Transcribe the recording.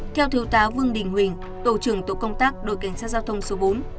theo thứu tá vương đình huỳnh tổ trưởng tổ công tác đội cảnh sát giao thông số bốn